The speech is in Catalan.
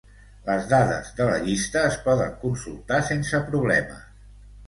Les dades de la llista es poden consultar sense problemes.